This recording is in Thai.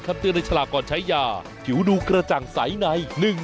คำเตือนในฉลาบก่อนใช้ยาผิวดูกระจังใสในหนึ่ง